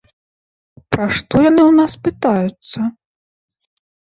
Пра што яны ў нас пытаюцца?